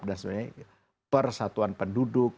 dan sebenarnya persatuan penduduk